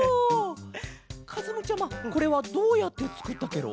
かずむちゃまこれはどうやってつくったケロ？